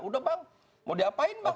udah bang mau diapain bang